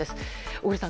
小栗さん